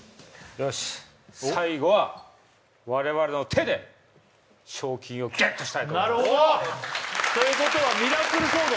よし最後は我々の手で賞金をゲットしたいと思いますなるほど！ということはミラクルソード？